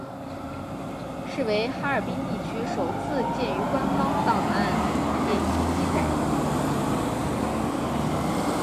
是为哈尔滨地区首次见于官方档案典籍记载。